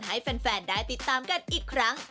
ให้แฟนได้ติดตามกันอีกครั้ง